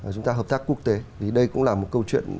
chúng ta hợp tác quốc tế vì đây cũng là một câu chuyện